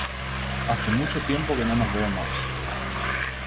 Hace mucho tiempo que no nos vemos.